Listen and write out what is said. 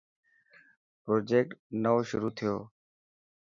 پروجيڪٽ نئون شروع ٿيو.